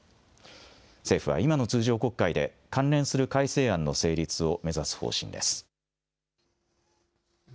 政府は今の通常国会で、関連する改正案の成立を目指す方針です。